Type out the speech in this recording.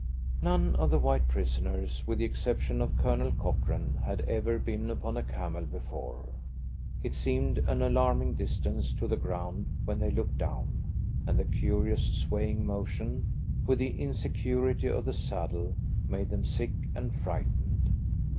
None of the white prisoners, with the exception of Colonel Cochrane, had ever been upon a camel before. It seemed an alarming distance to the ground when they looked down, and the curious swaying motion, with the insecurity of the saddle, made them sick and frightened.